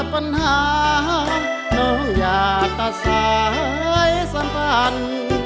ปัญหาน้องอย่าตัดสายสัมพันธ์